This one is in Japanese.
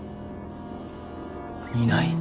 いない？